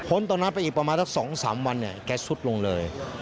พ้นตอนนั้นไปอีกประมาณสัก๒๓วันแก๊สชุดลงเลย